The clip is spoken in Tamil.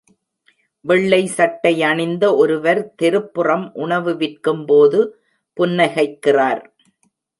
வெள்ளை சட்டை அணிந்த ஒருவர் தெருப்புற உணவு விற்கும்போது புன்னகைக்கிறார்